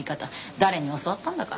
誰に教わったんだか。